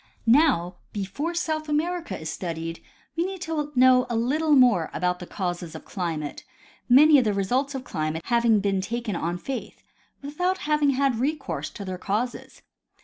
Now, before South America is studied, we need to know a little more of the causes of climate, many of the results of climate having been taken on faith, without having had recourse to their causes.